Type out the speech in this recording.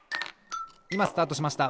いまスタートしました。